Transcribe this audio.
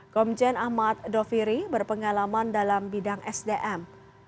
komjen ahmad doviri berpengalaman dalam bidang sdm